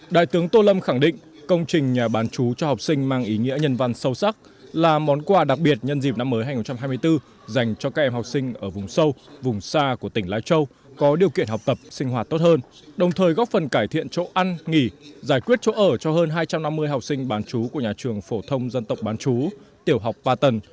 đại tướng tô lâm khẳng định công trình nhà bán chú cho học sinh mang ý nghĩa nhân văn sâu sắc là món quà đặc biệt nhân dịp năm mới hai nghìn hai mươi bốn dành cho các em học sinh ở vùng sâu vùng xa của tỉnh lai châu có điều kiện học tập sinh hoạt tốt hơn đồng thời góp phần cải thiện chỗ ăn nghỉ giải quyết chỗ ở cho hơn hai trăm năm mươi học sinh bán chú của nhà trường phổ thông dân tộc bán chú tiểu học ba tần